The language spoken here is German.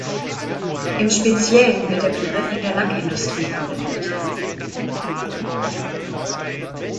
Im Speziellen wird der Begriff in der Lackindustrie verwendet.